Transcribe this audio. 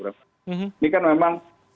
ini kan memang